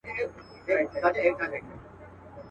زما دي علم په کار نه دی.